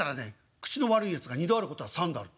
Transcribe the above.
口の悪いやつが『二度あることは三度ある』って。